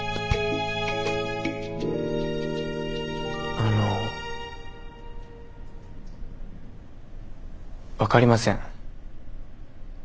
あの分かりません。